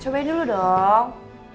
cobain dulu dong